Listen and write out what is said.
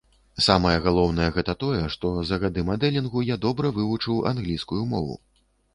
Самае галоўнае гэта тое, што за гады мадэлінгу я добра вывучыў англійскую мову.